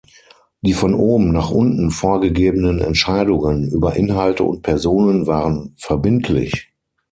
Die von oben nach unten vorgegebenen Entscheidungen über Inhalte und Personen waren verbindlich.